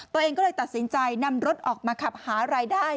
ตัวเองก็เลยตัดสินใจนำรถออกมาขับหารายได้